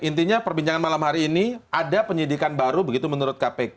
intinya perbincangan malam hari ini ada penyidikan baru begitu menurut kpk